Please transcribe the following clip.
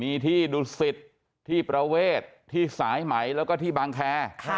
มีที่ดุสิตที่ประเวทที่สายไหมแล้วก็ที่บางแค